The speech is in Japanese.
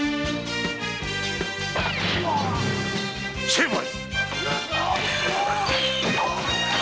成敗！